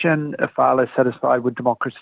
yang tidak cukup mencukupi dengan demokrasi